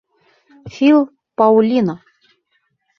— Фил Паолино.